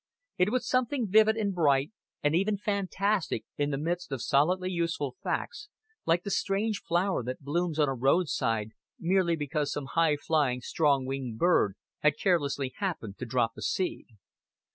It was something vivid and bright and even fantastic in the midst of solidly useful facts, like the strange flower that blooms on a roadside merely because some high flying strong winged bird has carelessly happened to drop a seed.